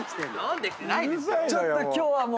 ちょっと今日はもう。